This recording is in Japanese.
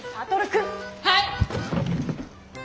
はい。